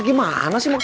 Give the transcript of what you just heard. senyum senyum genit